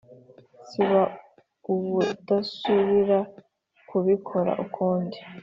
siba ubudasubira kubikora ukundi